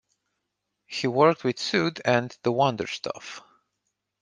He worked with Suede and The Wonder Stuff.